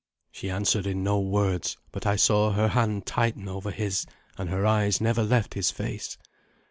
She answered in no words, but I saw her hand tighten over his, and her eyes never left his face.